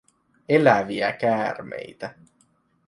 Eläviä käärmeitä.